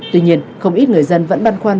tuy nhiên không ít người dân vẫn băn khoan